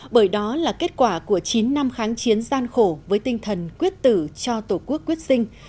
bởi đó là kết quả của chín năm kháng chiến gian khổ với tinh thần quyết tử cho tổ quốc quyết sinh